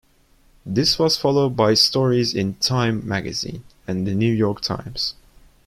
'" This was followed by stories in "Time" magazine and the "New York Times.